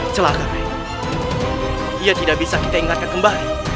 celaka rey dia tidak bisa kita ingatkan kembali